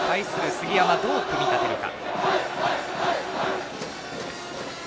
杉山、どう組み立てるか。